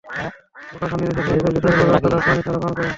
এরপর কারখানার নিজস্ব ট্যাংক থেকে সরবরাহ করা পানি তাঁরা পান করেন।